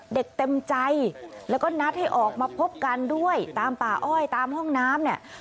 เต็มใจแล้วก็นัดให้ออกมาพบกันด้วยตามป่าอ้อยตามห้องน้ำเนี่ย